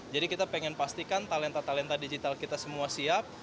jadi kita pengen pastikan talenta talenta digital kita semua siap